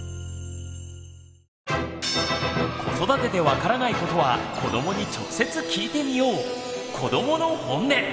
子育てで分からないことは子どもに直接聞いてみよう！